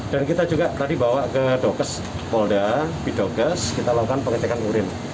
dan kita juga tadi bawa ke dokes polda bidokes kita lakukan pengecekan urin